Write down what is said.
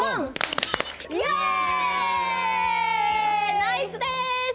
ナイスでーす！